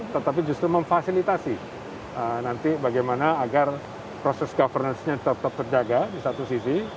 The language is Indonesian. tetapi justru memfasilitasi nanti bagaimana agar proses governance nya tetap terjaga di satu sisi